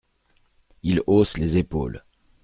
Il hausse les épaules.